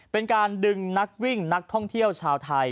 เป็นการดึงนักวิ่งนักท่องเที่ยวชาวไทย